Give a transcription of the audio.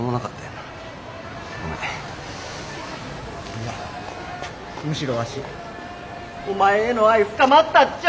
いやむしろわしお前への愛深まったっちゃ！